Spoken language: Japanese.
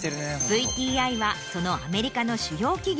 ＶＴＩはそのアメリカの主要企業